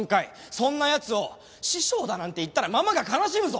そんなヤツを師匠だなんて言ったらママが悲しむぞ！